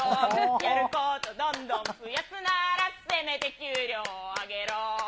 やることどんどん増やすなら、せめて給料上げろ。